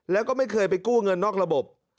แล้วก็ไม่เคยไปกู้เงินนอกระบบ